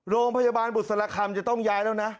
โรงพยาบาลบุษรคำจะต้องย้ายแล้วนะ